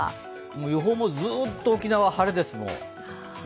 予報もずっと沖縄、晴れですもう。